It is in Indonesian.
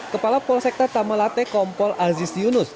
kepala polsekta tamalate kompol aziz yunus